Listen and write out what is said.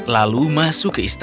lalu masuk ke istana